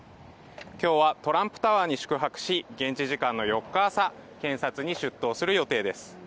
今日はトランプタワーに宿泊し、現地時間の４日朝、検察に出頭する予定です。